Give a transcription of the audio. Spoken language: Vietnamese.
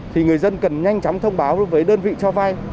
thì người dân cần nhanh chóng thông báo với đơn vị cho vay